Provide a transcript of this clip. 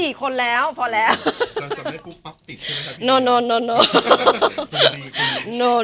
มีพ่อแม่แล้วก็ลูกอีกเป็น๔คนแล้ว